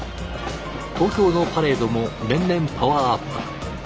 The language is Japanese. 東京のパレードも年々パワーアップ。